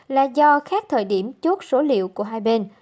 là do khác thời điểm chốt số liệu của hai bên